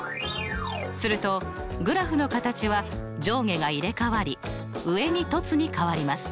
するとグラフの形は上下が入れ代わり上に凸に変わります。